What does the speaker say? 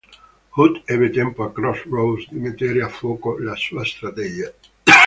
Hood ebbe tempo a Cross Roads di mettere a fuoco la sua strategia.